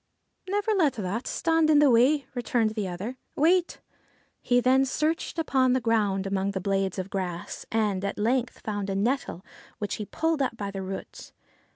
' Never let that stand in the way,' returned the other. 'Wait !' He then searched upon the ground among the blades of grass, and at length found a nettle, which he pulled up by the roots.